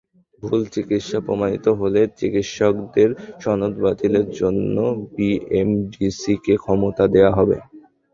ভুল চিকিৎসা প্রমাণিত হলে চিকিৎসকদের সনদ বাতিলের জন্য বিএমডিসিকে ক্ষমতা দেওয়া হবে।